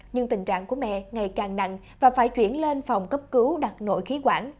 nhưng tình trạng của mẹ ngày càng nặng và phải chuyển lên phòng cấp cứu đặt nội khí quản